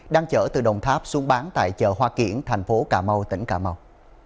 đang chở từ đồng tháp xuống bán tại chợ hoa kiển thành phố cà mau tỉnh cà mau